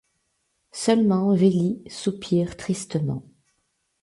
Seulement Veli soupire tristement.